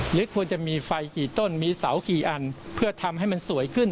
ควรจะมีไฟกี่ต้นมีเสากี่อันเพื่อทำให้มันสวยขึ้น